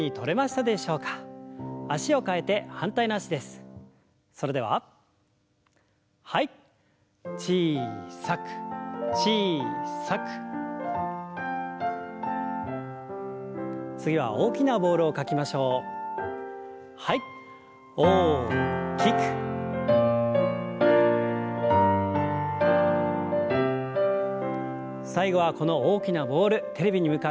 最後はこの大きなボールテレビに向かって投げてみましょう。